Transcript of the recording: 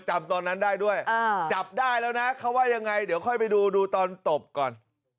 จำตอนนั้นได้ด้วยจับได้แล้วนะเขาว่ายังไงเดี๋ยวค่อยไปดูดูตอนตบก่อน